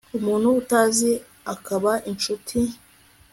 umuntu utazi akaba inshuti